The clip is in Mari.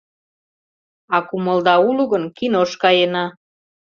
А кумылда уло гын, кинош каена.